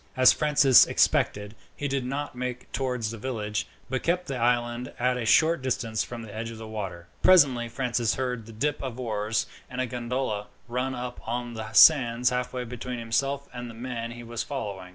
As Francis had expected, he did not make towards the village, but kept along the island at a short distance from the edge of the water. Presently Francis heard the dip of oars, and a gondola ran up on the sands halfway between himself and the man he was following.